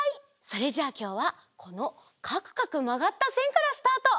それじゃあきょうはこのかくかくまがったせんからスタート！